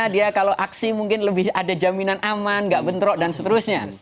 dia kalau aksi mungkin lebih ada jaminan aman nggak bentrok dan seterusnya